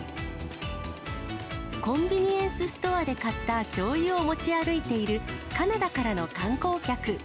コンビニエンスストアで買ったしょうゆを持ち歩いている、カナダからの観光客。